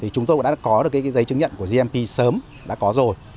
chúng tôi cũng đã có được giấy chứng nhận của gmp sớm đã có rồi